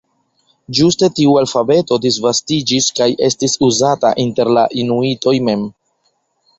Ĝuste tiu alfabeto disvastiĝis kaj estis uzata inter la inuitoj mem.